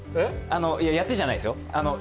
やって、じゃないですよ。